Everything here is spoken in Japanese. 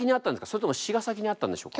それとも詞が先にあったんでしょうか？